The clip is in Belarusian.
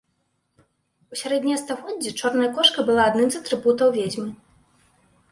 У сярэднія стагоддзі чорная кошка была адным з атрыбутаў ведзьмы.